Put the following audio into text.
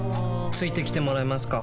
付いてきてもらえますか？